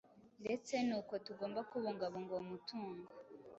ndetse n’uko tugomba kubungabunga uwo mutungo